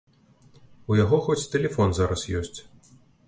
У яго хоць тэлефон зараз ёсць.